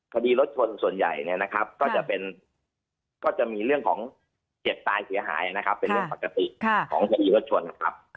คดีรถชนส่วนใหญ่เนี่ยนะครับก็จะมีเรื่องของเจ็บตายเสียหายนะครับเป็นเรื่องปกติของคดีรถชนครับ